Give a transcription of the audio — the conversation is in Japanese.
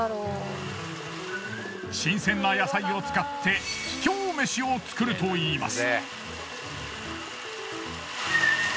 新鮮な野菜を使って秘境めしを作るといいます。